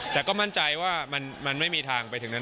แต่ก็มั่นใจว่ามันไม่มีทางไปถึงนั้น